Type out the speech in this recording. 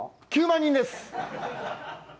９万人です。